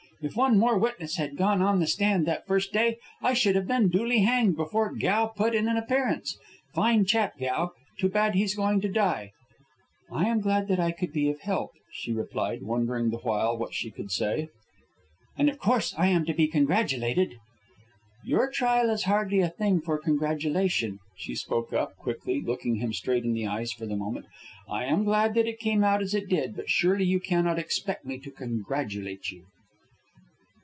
If one more witness had gone on the stand that first day, I should have been duly hanged before Gow put in an appearance. Fine chap, Gow. Too bad he's going to die." "I am glad that I could be of help," she replied, wondering the while what she could say. "And of course I am to be congratulated " "Your trial is hardly a thing for congratulation," she spoke up quickly, looking him straight in the eyes for the moment. "I am glad that it came out as it did, but surely you cannot expect me to congratulate you."